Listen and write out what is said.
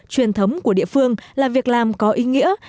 truyền thống của địa phương là việc làm có ý nghĩa